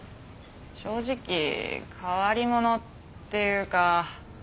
正直変わり者っていうか。